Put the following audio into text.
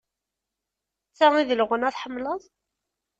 D ta i d leɣna tḥemmleḍ?